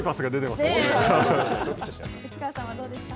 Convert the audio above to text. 内川さんはどうですか。